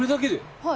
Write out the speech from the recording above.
はい。